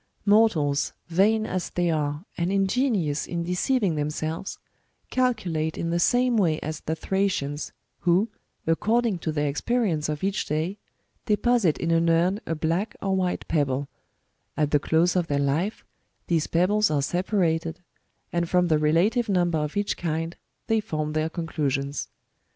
Mortals, vain as they are, and ingenious in deceiving themselves, calculate in the same way as the Thracians, who, according to their experience of each da}', deposit in an urn a black or a white pebble ; at the close of their life, these pebbles are separated, and from the relative number of each kind, they form their conclusions.